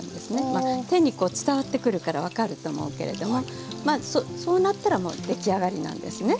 まあ手に伝わってくるから分かると思うけれどもまあそうなったらもう出来上がりなんですね。